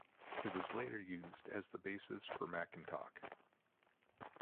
It was later used as the basis for Macintalk.